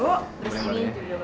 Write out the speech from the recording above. yang paling baru